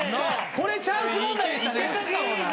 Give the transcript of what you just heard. これチャンス問題でしたね。